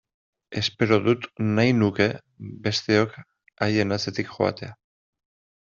Espero dut, nahi nuke, besteok haien atzetik joatea!